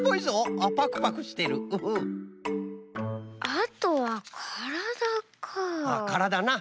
あとはからだか。